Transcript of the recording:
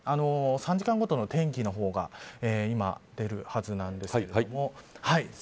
３時間ごとの天気の方が今、出るはずなんですけれども。